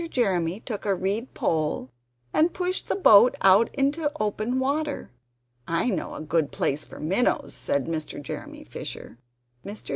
Jeremy took a reed pole, and pushed the boat out into open water. "I know a good place for minnows," said Mr. Jeremy Fisher. Mr.